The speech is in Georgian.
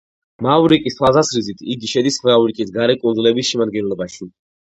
მავრიკის თვალსაზრისით იგი შედის მავრიკის გარე კუნძულების შემადგენლობაში.